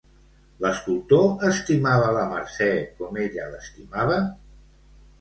L'escultor estimava la Mercè com ella l'estimava?